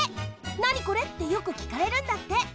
「なにこれ？」ってよくきかれるんだって。